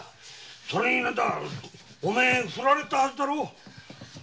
それにお前ふられたんだろ？